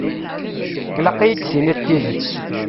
Ilaq ad yi-d-tiniḍ tidet.